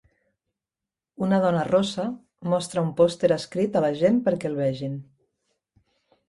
Una dona rossa mostra un pòster escrit a la gent perquè el vegin.